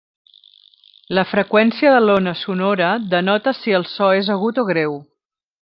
La freqüència de l'ona sonora denota si el so és agut o greu.